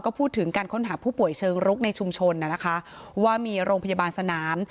ก็พูดถึงการค้นหาผู้ป่วยเชิงรุกในชุมชนนะคะว่ามีโรงพยาบาลสนาม